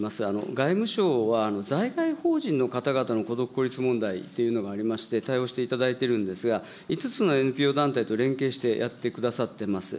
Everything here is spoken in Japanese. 外務省は、在外邦人の方々の孤独・孤立問題というのがありまして、対応していただいてるんですが、５つのＮＰＯ団体と連携してやってくださってます。